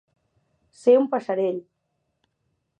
Ser un passerell.